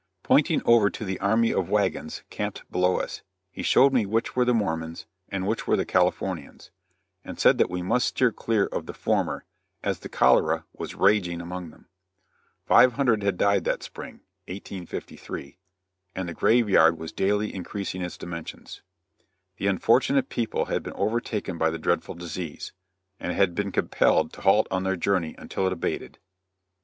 Pointing over to the army of wagons camped below us, he showed me which were the Mormons' and which were the Californians', and said that we must steer clear of the former as the cholera was raging among them. Five hundred had died that spring 1853 and the grave yard was daily increasing its dimensions. The unfortunate people had been overtaken by the dreadful disease, and had been compelled to halt on their journey until it abated.